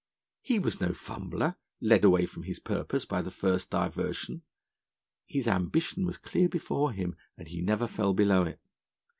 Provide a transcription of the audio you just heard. He was no fumbler, led away from his purpose by the first diversion; his ambition was clear before him, and he never fell below it.